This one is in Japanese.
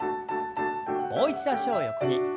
もう一度脚を横に。